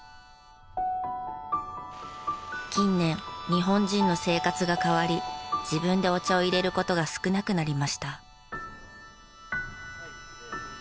近年日本人の生活が変わり自分でお茶をいれる事が少なくなりました。